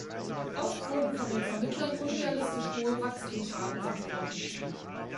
Oft wurden von den Vermittlern unrealistisch hohe Wachstumsraten versprochen.